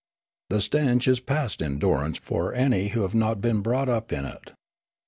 The stench is past endurance for any who have not been brought up in it.